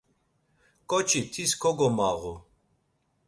ǩoçi tis kogomağu.